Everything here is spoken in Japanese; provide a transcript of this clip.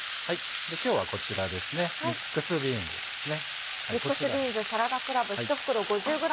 今日はこちらミックスビーンズですね。